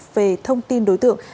về thông tin đối tượng